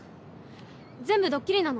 全部ドッキリなの。